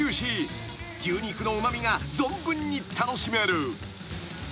［牛肉のうま味が存分に楽しめる］